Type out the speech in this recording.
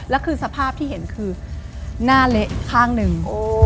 แล้วคือสภาพที่เห็นคือหน้าเละข้างหนึ่ง